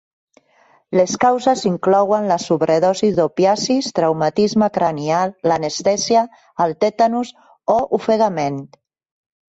Les causes inclouen la sobredosi d'opiacis, traumatisme cranial, l'anestèsia, el tètanus, o ofegament.